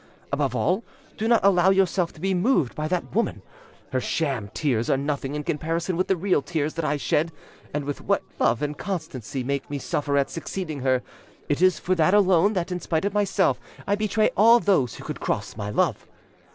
Above all, do not allow yourself to be moved by that woman: her sham tears are nothing in comparison with the real tears that I shed, and with what love and constancy make me suffer at succeeding her; it is for that alone that in spite of myself I betray all those who could cross my love.